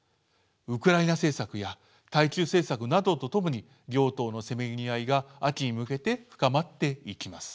ウクライナ政策や対中政策などとともに両党のせめぎ合いが秋に向けて深まっていきます。